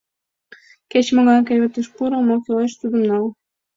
Кеч-могай кевытыш пуро, мо кӱлеш — тудым нал!